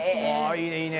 いいねいいね。